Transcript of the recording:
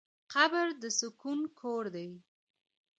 قبر د سکون کور دی.